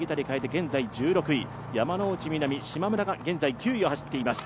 現在１６位、山ノ内みなみ、しまむらが現在９位を走っています。